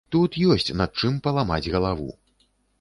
Тут ёсць над чым паламаць галаву.